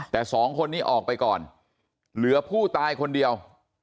แต่สองคนนี้ออกไปก่อนเหลือผู้ตายคนเดียว